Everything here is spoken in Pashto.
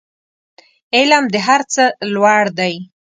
علم د هر څه لوړ دی